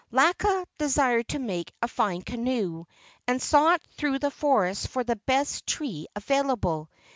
Laka desired to make a fine canoe, and sought through the forests for the best tree available.